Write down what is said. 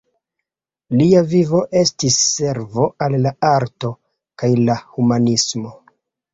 Lia vivo estis servo al la arto kaj la humanismo.